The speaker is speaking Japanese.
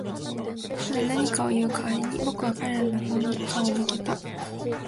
ただ、何かを言う代わりに、僕は彼らの方に顔を向けた。